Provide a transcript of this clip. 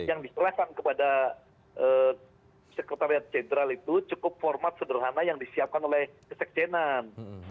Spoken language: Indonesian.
yang diserahkan kepada sekretariat jenderal itu cukup format sederhana yang disiapkan oleh kesekjenan